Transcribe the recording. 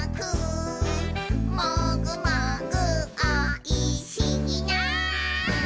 「もぐもぐおいしいな」